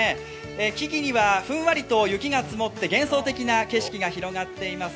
木々にはふんわりと雪が積もって幻想的な景色が広がっています。